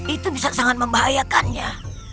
itu bisa sangat membahayakannya